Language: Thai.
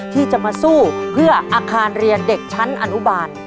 ที่จะมาสู้เพื่ออาคารเรียนเด็กชั้นอนุบาล